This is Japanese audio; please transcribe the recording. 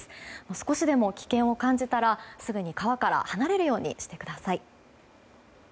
少しでも危険を感じたらすぐに川から離れるようにしてください。